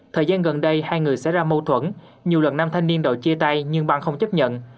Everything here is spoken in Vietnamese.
thời gian gần đây hai người xảy ra mâu thuẫn nhiều lần nam thanh niên đồ chia tay nhưng băng không chấp nhận